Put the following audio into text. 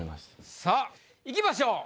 さあいきましょう。